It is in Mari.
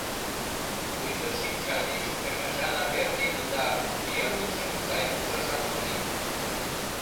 Пуйто шинча тич ӧрмашан арвер темын да йыр улшым сайын ужашат ок лий.